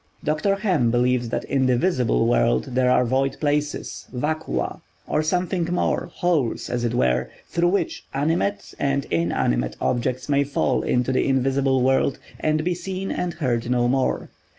Dr. Hem believes that in the visible world there are void places—vacua, and something more—holes, as it were, through which animate and inanimate objects may fall into the invisible world and be seen and heard no more.